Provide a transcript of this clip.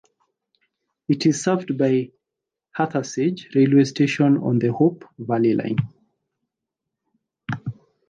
It is served by Hathersage railway station on the Hope Valley Line.